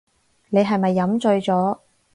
你係咪飲醉咗